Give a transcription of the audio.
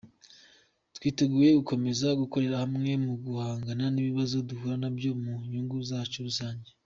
Twiteguye gukomeza gukorera hamwe mu guhangana n’ibibazo duhura nabyo ku nyungu zacu rusange ".